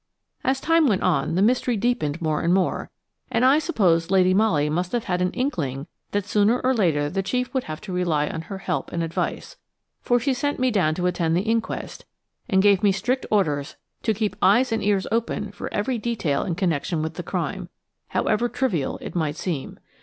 As time went on, the mystery deepened more and more, and I suppose Lady Molly must have had an inkling that sooner or later the chief would have to rely on her help and advice, for she sent me down to attend the inquest, and gave me strict orders to keep eyes and ears open for every detail in connection with the crime–however trivial it might seem.